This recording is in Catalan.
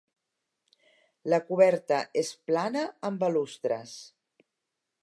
La coberta és plana amb balustres.